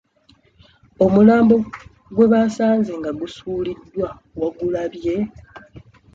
Omulambo gwe baasanze nga gusuuliddwa wagulabye?